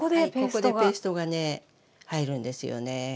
ここでペーストがね入るんですよね。